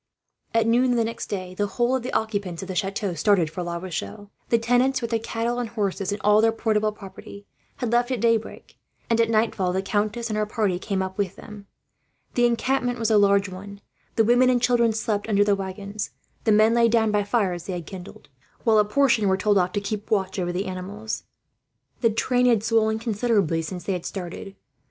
At noon the next day, the whole of the occupants of the chateau started for La Rochelle. The tenants, with their cattle and horses and all their portable property, had left at daybreak; and at nightfall the countess and her party came up with them. The encampment was a large one. The women and children slept under the waggons. The men lay down by fires they had kindled, while a portion were told off to keep watch over the animals. The train had swollen considerably since they had started.